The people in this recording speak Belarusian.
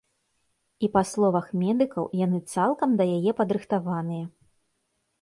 І па словах медыкаў, яны цалкам да яе падрыхтаваныя.